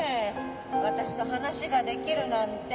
私と話ができるなんて